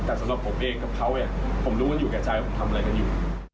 แต่สำหรับผมเองกับเขาผมรู้กันอยู่แก่ใจว่าผมทำอะไรกันอยู่